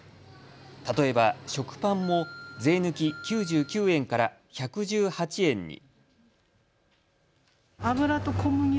例えば食パンも税抜き９９円から１１８円に。